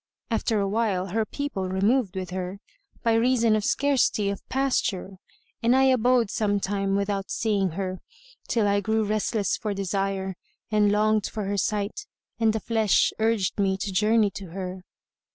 After a while, her people removed with her, by reason of scarcity of pasture, and I abode some time without seeing her, till I grew restless for desire and longed for her sight and the flesh[FN#128] urged me to journey to her.